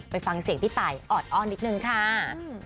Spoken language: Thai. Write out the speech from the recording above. ไปฟังเสียงพี่ตายออดอ้อนนิดนึงค่ะ